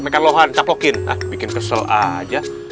makan lohan capokin bikin kesel aja